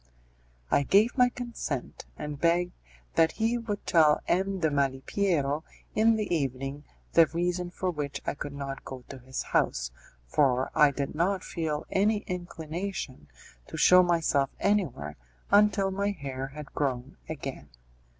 I gave my consent, and begged that he would tell M. de Malipiero in the evening the reason for which I could not go to his house, for I did not feel any inclination to show myself anywhere until my hair had grown again.